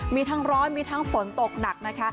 มีทั้งร้อยมีทั้งฝนตกหนัก